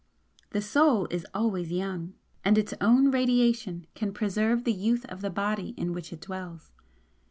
The Soul is always young, and its own radiation can preserve the youth of the Body in which it dwells.